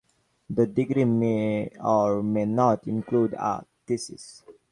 The degree may or may not include a thesis.